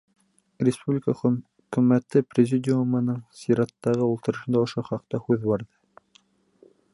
Республика Хөкүмәте Президиумының сираттағы ултырышында ошо хаҡта һүҙ барҙы.